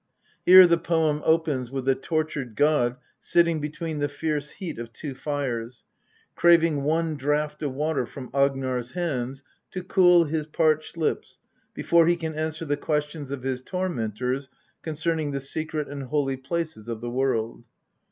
Here the poem opens with the tortured god sitting between the fierce heat of two fires, craving for one draught of water from Agnar's hands to cool his parched lips before he can answer the questions of his tormentors concerning the secret and holy places of the world.